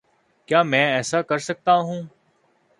کیا میں ایسا کر سکتا ہوں؟